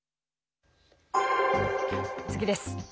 次です。